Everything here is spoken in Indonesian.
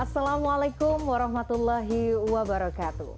assalamualaikum warahmatullahi wabarakatuh